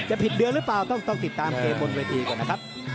ผิดเดือนหรือเปล่าต้องติดตามเกมบนเวทีก่อนนะครับ